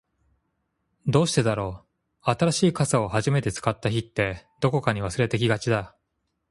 どうしてだろう、新しい傘を初めて使った日って、どこかに忘れてきがちだ。